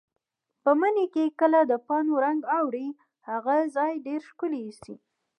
په مني کې چې کله د پاڼو رنګ اوړي، هغه ځای ډېر ښکلی ایسي.